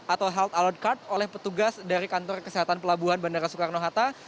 atau health alert card oleh petugas dari kantor kesehatan pelabuhan bandara soekarno hatta